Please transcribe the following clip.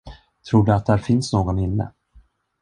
Tror du att där finns någon inne?